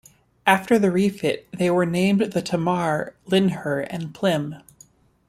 After the refit, they were named the "Tamar", "Lynher" and "Plym".